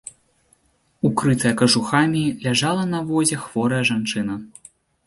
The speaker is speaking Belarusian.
Укрытая кажухамі, ляжала на возе хворая жанчына.